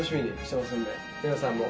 皆さんも。